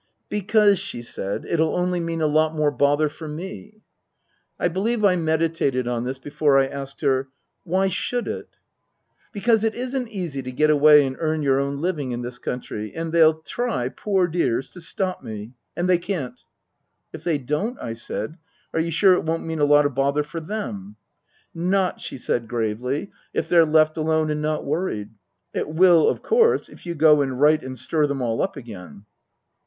" Because," she said, " it'll only mean a lot more bother for me." I believe I meditated on this before I asked her, " Why should it ?"" Because it isn't easy to get away and earn your own living in this country. And they'll try, poor dears, to stop me. And they can't." " If they don't," I said, " are you sure it won't mean a lot of bother for them P "" Not," she said gravely, " if they're left alone and not worried. It will, of course, if you go and write and stir them all up again."